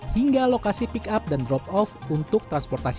hingga lokasi pick up dan drop off untuk transportasi